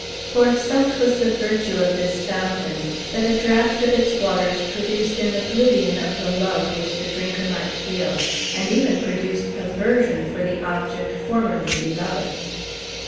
"] for such was the virtue of this fountain, that a draught of its waters produced on oblivion of the love which the drinker might feel, and even produced aversion for the object formerly beloved.